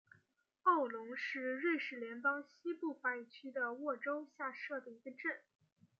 奥龙是瑞士联邦西部法语区的沃州下设的一个镇。